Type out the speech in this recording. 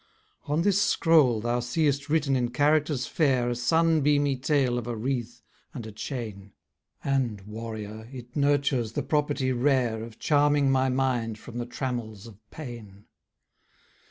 On this scroll thou seest written in characters fair A sun beamy tale of a wreath, and a chain; And, warrior, it nurtures the property rare Of charming my mind from the trammels of pain.